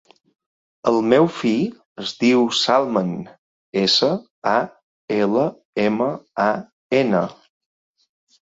El meu fill es diu Salman: essa, a, ela, ema, a, ena.